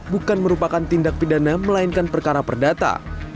bukan merupakan tindak pidana melainkan perkara perdata